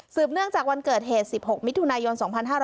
เนื่องจากวันเกิดเหตุ๑๖มิถุนายน๒๕๕๙